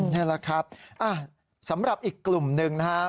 นี่แหละครับสำหรับอีกกลุ่มหนึ่งนะครับ